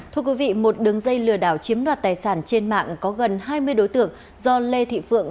thưa quý vị một đường dây lừa đảo chiếm đoạt tài sản trên mạng có gần hai mươi đối tượng do lê thị phượng